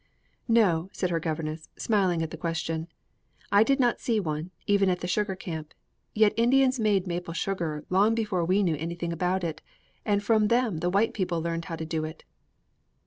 "No," said her governess, smiling at the question; "I did not see one, even at the sugar camp. Yet the Indians made maple sugar long before we knew anything about it, and from them the white people learned how to do it."